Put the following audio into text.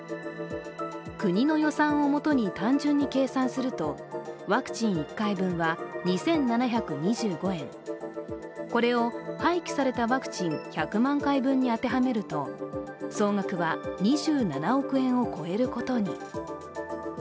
国の予算を基に単純に計算するとワクチン１回分は２７２５円、これを廃棄されたワクチン１００万回分に当てはめると、総額は２７億円を超えることに。